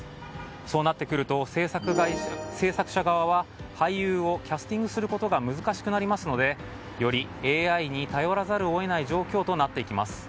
そうなってくると、制作者側は俳優をキャスティングすることが難しくなりますのでよりＡＩに頼らざるを得ない状況となります。